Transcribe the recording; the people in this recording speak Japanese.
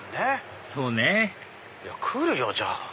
そうね来るよじゃあ！